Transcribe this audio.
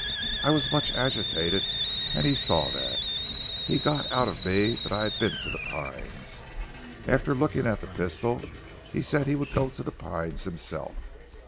I was much agitated, and he saw that. He got out of me that I had been to 'The Pines.' After looking at the pistol he said he would go to 'The Pines' himself.